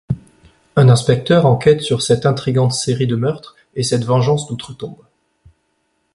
Un inspecteur enquête sur cette intrigante série de meurtres et cette vengeance d'outre-tombe…